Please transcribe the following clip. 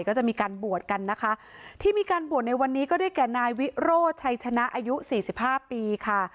ก็จะมีการบวชกันนะคะที่มีการบวชในวันนี้ก็ได้แก่นายวิโรชัยชนะอายุสี่สิบห้าปีค่ะ